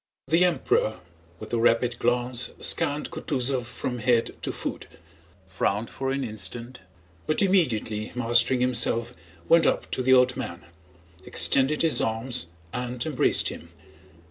The Emperor with a rapid glance scanned Kutúzov from head to foot, frowned for an instant, but immediately mastering himself went up to the old man, extended his arms and embraced him.